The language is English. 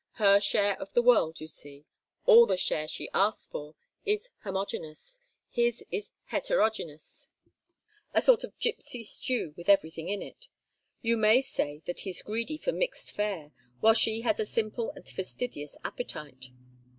Her share of the world, you see all the share she asks for is homogeneous; his is heterogeneous, a sort of gypsy stew with everything in it. You may say that he's greedy for mixed fare, while she has a simple and fastidious appetite.